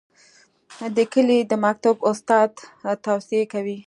د کلي د مکتب استاد توصیې کوي.